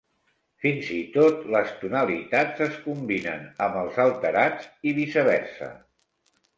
Fins i tot les tonalitats es combinen amb els alterats i viceversa.